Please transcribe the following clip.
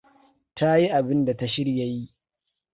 Ta yi abinda ta shirya yi.